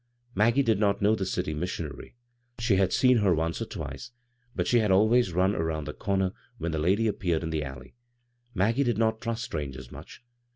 Maggie did not know the dty missitmary. She had seen her once or twice, but she had always run around the comer when the lady appeared in the Alley. Maggie did not trust strangers much.